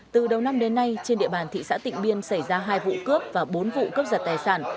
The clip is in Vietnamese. từ đầu năm đến nay trên địa bàn thị xã tịnh biên xảy ra hai vụ cướp và bốn vụ cướp giật tài sản